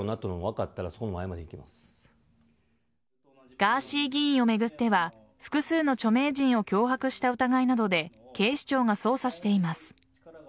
ガーシー議員を巡っては複数の著名人を脅迫した疑いなどで警視庁が捜査しています。